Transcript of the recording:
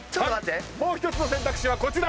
もう１つの選択肢はこちら。